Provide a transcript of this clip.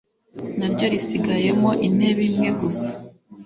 na ryo risigayemo intebe imwe gusa,